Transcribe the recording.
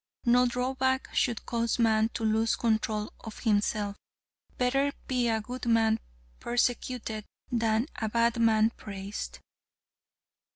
No drawback should cause man to lose control of himself. Better be a good man persecuted, than a bad man praised.